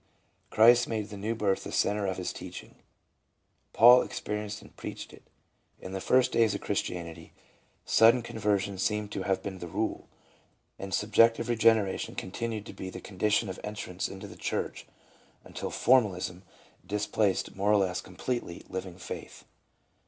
Christ made the new birth the centre of His teaching ; Paul experienced and preached it. In the first days of Christianity sudden conversions seem to have been the rule, and subjective regeneration continued to be the con dition of entrance into the church until formalism displaced, more or less completely, living faith.